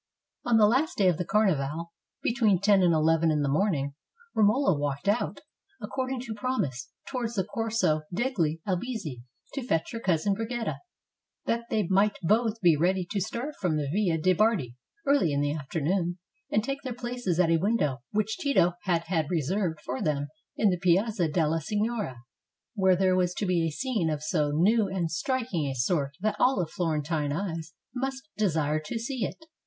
] On the last day of the Carnival, between ten and eleven in the morning, Romola walked out, according to prom ise, towards the Corso degli Albizzi, to fetch her cousin Brigida, that they might both be ready to start from the Via de' Bardi early in the afternoon, and take their places at a window which Tito had had reserved for them in the Piazza della Signoria, where there was to be a scene of so new and striking a sort that all Florentine eyes must desire to see it.